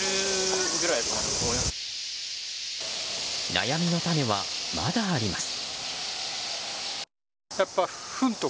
悩みの種は、まだあります。